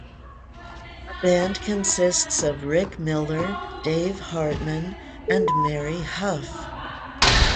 The band consists of Rick Miller, Dave Hartman, and Mary Huff.